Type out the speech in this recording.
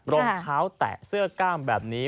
รองเท้าแตะเสื้อกล้ามแบบนี้